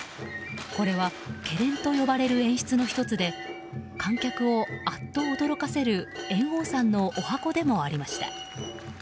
これは、けれんと呼ばれる演出の１つで観客をあっと驚かせる猿翁さんの十八番でもありました。